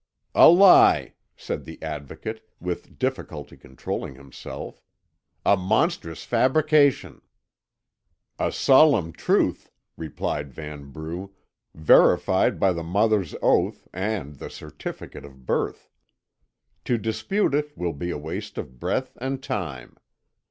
"A lie!" said the Advocate, with difficulty controlling himself; "a monstrous fabrication!" "A solemn truth," replied Vanbrugh, "verified by the mother's oath, and the certificate of birth. To dispute it will be a waste of breath and time.